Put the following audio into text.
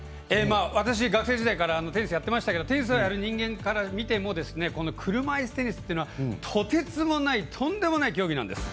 私、学生時代からテニスやってましたけどもテニスをやる人間から見ても車いすテニスというのはとてつもないとんでもない競技なんです。